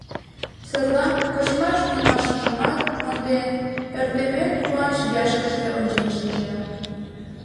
Садлан, кочшаш-йӱшашыжымат монден, Ӧртӧмӧ куван шинчашкыже ончен шинча.